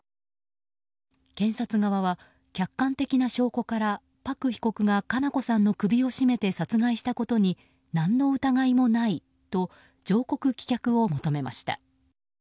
検察側は、客観的な証拠からパク被告が佳菜子さんの首を絞めて殺害したことに何の疑いもないと上告棄却を求めました。